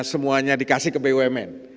semuanya dikasih ke bumn